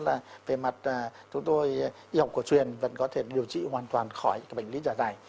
đó là về mặt chúng tôi y học của truyền vẫn có thể điều trị hoàn toàn khỏi cái bệnh lý giả dày